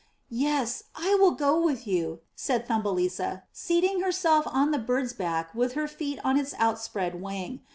*'Yes, I will go with you," said Thumbelisa, seating herself on the bird's back with her feet on its out spread wing.